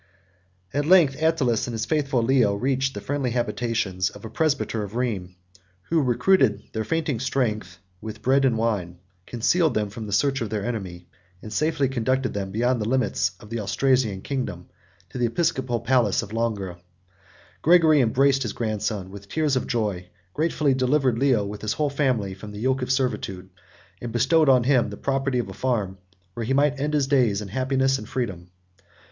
A length, Attalus and his faithful Leo reached the friendly habitation of a presbyter of Rheims, who recruited their fainting strength with bread and wine, concealed them from the search of their enemy, and safely conducted them beyond the limits of the Austrasian kingdom, to the episcopal palace of Langres. Gregory embraced his grandson with tears of joy, gratefully delivered Leo, with his whole family, from the yoke of servitude, and bestowed on him the property of a farm, where he might end his days in happiness and freedom.